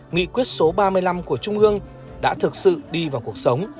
nghị quyết số ba mươi năm của trung ương đã thực sự đi vào cuộc sống